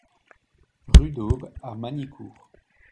Rue d'Aube à Magnicourt